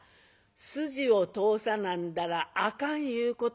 筋を通さなんだらあかんいうことや。